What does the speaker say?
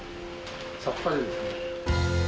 さっぱりですね。